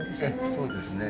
そうですね。